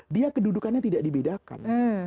bukannya tidak dibedakan